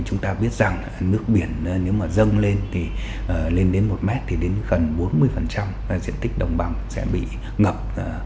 chúng ta biết rằng nước biển nếu mà dâng lên thì lên đến một mét thì đến gần bốn mươi diện tích đồng bằng sẽ bị ngập